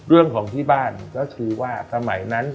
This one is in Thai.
เรื่องของที่บ้านก็คือว่าสมัยนั้น